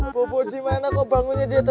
bau bau di mana kok bangunnya diatas pohon